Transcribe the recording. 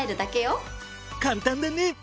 簡単だね！